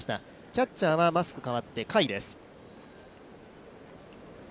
キャッチャーはマスク代わって甲斐です。